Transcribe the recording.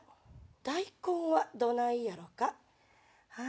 大根はどないやろか？